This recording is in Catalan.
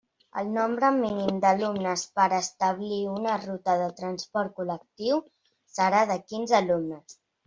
El nombre mínim d'alumnes per a establir una ruta de transport col·lectiu serà de quinze alumnes.